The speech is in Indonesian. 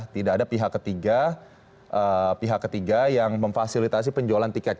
tidak ada pihak ketiga yang memfasilitasi penjualan tiket